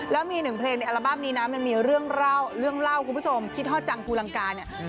แล้วมีหนึ่งเพลงในอัลบั้มนี้นะมันมีเรื่องเล่าเรื่องเล่าคุณผู้ชมคิดฮอดจังภูลังกาเนี่ย